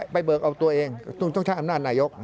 เบิกเอาตัวเองต้องใช้อำนาจนายก